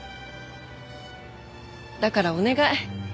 だからお願い。